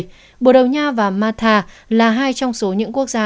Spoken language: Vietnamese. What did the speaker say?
trong ngày bồ đầu nha và mata là hai trong số những quốc gia